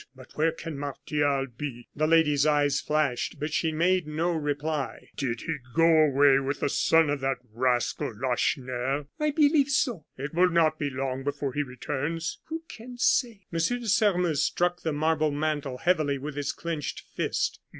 But where can Martial be?" The lady's eyes flashed, but she made no reply. "Did he go away with the son of that rascal, Lacheneur?" "I believe so." "It will not be long before he returns " "Who can say?" M. de Sairmeuse struck the marble mantel heavily with his clinched fist.